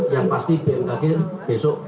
yang pasti bmkg besok